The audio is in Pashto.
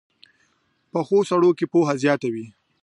پخو سړو کې پوهه زیاته وي